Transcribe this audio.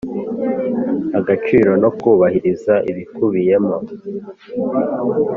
Agaciro no kubahiriza ibikubiyemo